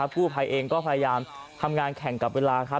ผู้ภัยเองก็พยายามทำงานแข่งกับเวลาครับ